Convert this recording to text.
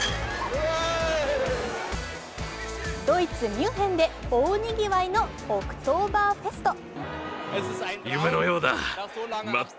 ドイツ・ミュンヘンで大にぎわいのオクトーバーフェスト。